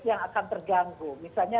yang akan terganggu misalnya